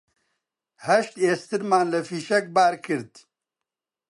هەشت ئێسترمان لە فیشەک بار کرد